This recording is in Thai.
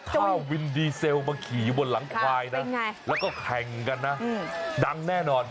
ถ้าวินดีเซลมาขี่อยู่บนหลังควายนะแล้วก็แข่งกันนะดังแน่นอน